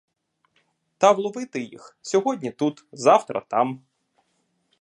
Та влови ти їх, — сьогодні тут, завтра там.